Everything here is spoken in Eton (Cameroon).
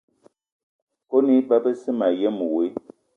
Kone iba besse mayen woe.